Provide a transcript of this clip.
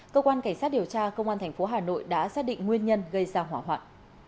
cơ quan cảnh sát điều tra công an thành phố hà nội đã xác định nguyên nhân gây ra hỏa hoạn